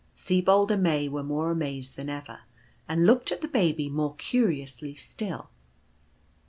Sibold and May were more amazed than ever, and looked at the Baby more curiously still.